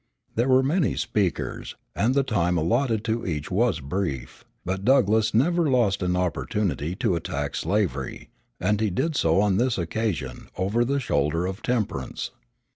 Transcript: There were many speakers, and the time allotted to each was brief; but Douglass never lost an opportunity to attack slavery, and he did so on this occasion over the shoulder of temperance.